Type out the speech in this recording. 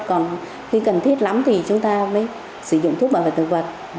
còn khi cần thiết lắm thì chúng ta mới sử dụng thuốc bảo vệ thực vật